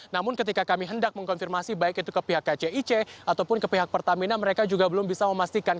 namun ketika kami hendak mengkonfirmasi baik itu ke pihak kcic ataupun ke pihak pertamina mereka juga belum bisa memastikan